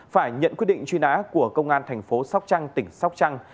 phải nhận quyết định truy nã của công an thành phố sóc trăng tỉnh sóc trăng